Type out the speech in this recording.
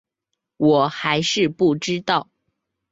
我还是不知道